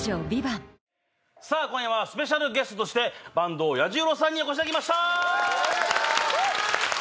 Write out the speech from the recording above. さあ今夜はスペシャルゲストとして坂東彌十郎さんにおこしいただきましたうわ！